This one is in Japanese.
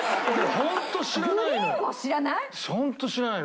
ホント知らないの。